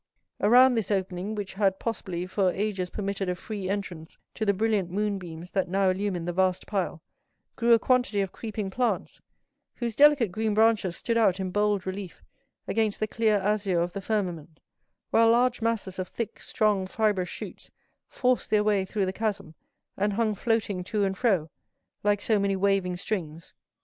Around this opening, which had, possibly, for ages permitted a free entrance to the brilliant moonbeams that now illumined the vast pile, grew a quantity of creeping plants, whose delicate green branches stood out in bold relief against the clear azure of the firmament, while large masses of thick, strong fibrous shoots forced their way through the chasm, and hung floating to and fro, like so many waving strings.